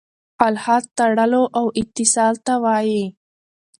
الحاد تړلو او اتصال ته وايي.